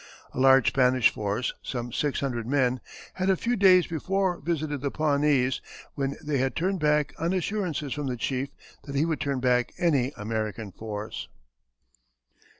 A large Spanish force, some six hundred men, had a few days before visited the Pawnees, when they had turned back on assurances from the chief that he would turn back any American force.